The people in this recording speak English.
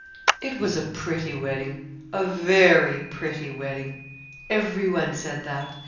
It was a pretty wedding, a very pretty wedding. Every one said that.